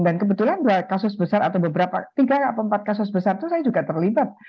dan kebetulan kasus besar atau beberapa tiga atau empat kasus besar itu saya juga terlibat